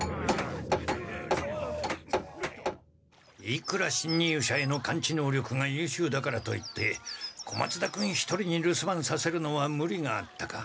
いくらしんにゅう者への感知能力がゆうしゅうだからといって小松田君一人に留守番させるのはムリがあったか。